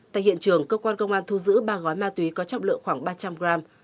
tại hiện trường cơ quan công an thu giữ ba gói ma túy có trọng lượng khoảng ba trăm linh gram